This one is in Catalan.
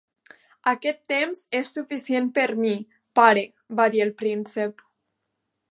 "Aquest temps és suficient per mi, pare", va dir el príncep.